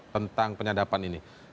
tentang penyadapan ini